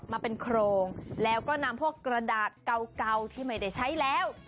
มาเป็นโครงแล้วก็นำพวกกระดาษเก่าที่ไม่ได้ใช้แล้ว